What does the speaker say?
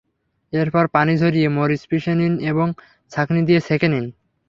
এরপর পানি ঝরিয়ে মরিচ পিষে নিন এবং ছাঁকনি দিয়ে ছেঁকে নিন।